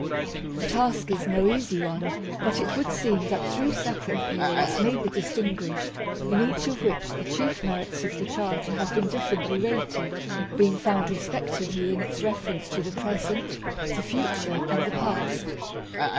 The task is no easy one ; but it would seem that three separate periods may be distinguished, in each of which the chief merits of the Charter have been differently rated, being found respectively in its reference to the present, the future, and the past.